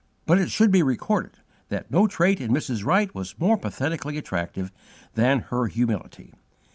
But it should be recorded that no trait in Mrs. Wright was more pathetically attractive than her humility.